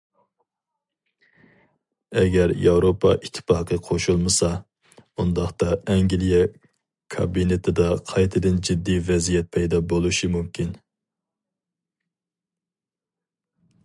ئەگەر ياۋروپا ئىتتىپاقى قوشۇلمىسا، ئۇنداقتا ئەنگلىيە كابىنېتىدا قايتىدىن جىددىي ۋەزىيەت پەيدا بولۇشى مۇمكىن.